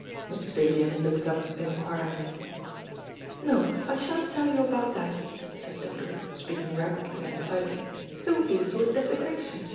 Mrs. Vivian looked up inquiringly. "No, I shan't tell you about that," said Dodo, speaking rapidly and excitedly; "it would be a sort of desecration.